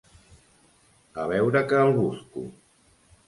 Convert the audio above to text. A veure que el busco.